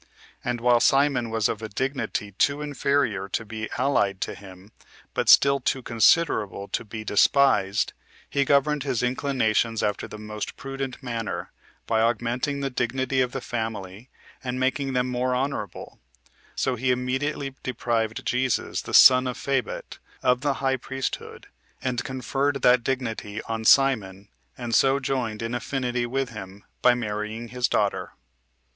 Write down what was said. And while Simon was of a dignity too inferior to be allied to him, but still too considerable to be despised, he governed his inclinations after the most prudent manner, by augmenting the dignity of the family, and making them more honorable; so he immediately deprived Jesus, the son of Phabet, of the high priesthood, and conferred that dignity on Simon, and so joined in affinity with him [by marrying his daughter].